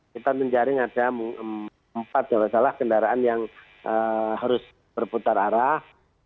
kita mencari ada empat jalan jalan kendaraan yang harus berputar arah